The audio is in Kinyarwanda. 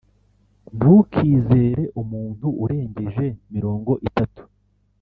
ntukizere umuntu urengeje mirongo itatu